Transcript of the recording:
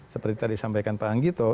seperti tadi sampaikan pak anggito